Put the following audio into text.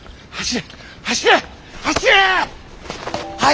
はい！